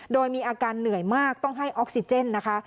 โดยมีอาการเหนื่อยมากต้องให้ออกซิเจนนะคะ